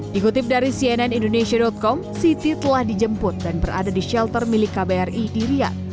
dikutip dari cnnindonesia com siti telah dijemput dan berada di shelter milik kbri diriyat